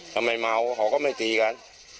ทำไมเมาเราก็ไม่ตีกัน